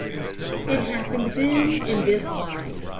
"It happened then in this wise.